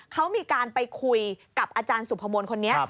เขามีการไปคุยกับอาจารย์สุพมนต์คนนี้